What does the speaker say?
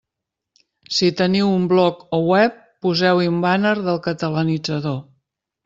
Si teniu un bloc o web, poseu-hi un bàner del Catalanitzador.